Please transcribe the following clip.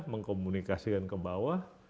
mengkomunikasikan ke bawah